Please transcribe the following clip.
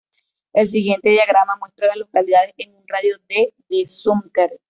El siguiente diagrama muestra a las localidades en un radio de de Sumter.